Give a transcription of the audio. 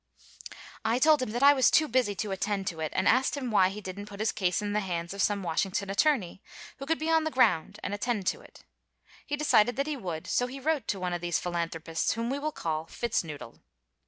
I told him that I was too busy to attend to it, and asked him why he didn't put his case in the hands of some Washington attorney, who could be on the ground and attend to it. He decided that he would, so he wrote to one of these philanthropists whom we will call Fitznoodle.